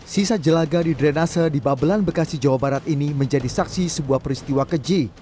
sisa jelaga di drenase di babelan bekasi jawa barat ini menjadi saksi sebuah peristiwa keji